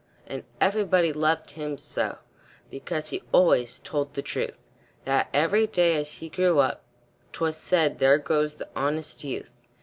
And everybody loved him so, Because he always told the truth, That every day, as he grew up, 'Twas said, "There goes the honest youth."